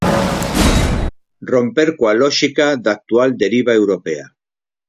Romper coa lóxica da actual deriva europea.